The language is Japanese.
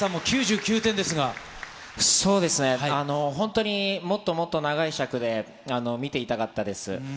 そうですね、本当に、もっともっと長い尺で見ていたかったです。